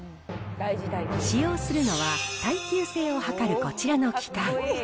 使用するのは耐久性を測るこちらの機械。